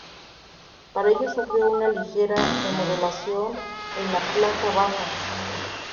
Para ello sufrió una ligera remodelación en la planta baja.